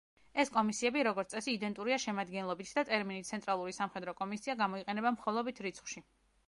ეს კომისიები, როგორც წესი იდენტურია შემადგენლობით, და ტერმინი „ცენტრალური სამხედრო კომისია“ გამოიყენება მხოლობით რიცხვში.